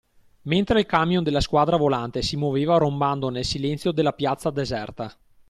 mentre il camion della Squadra Volante si muoveva rombando nel silenzio della piazza deserta.